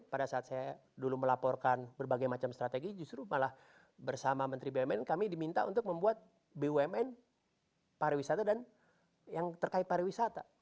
pada saat saya dulu melaporkan berbagai macam strategi justru malah bersama menteri bumn kami diminta untuk membuat bumn pariwisata dan yang terkait pariwisata